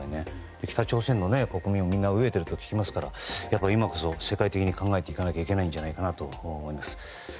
北朝鮮の国民もみんな飢えていると聞きますから今こそ世界的に考えていかないといけないと思います。